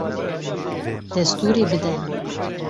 Destûrê bide.